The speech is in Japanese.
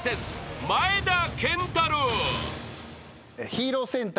ヒーロー戦隊。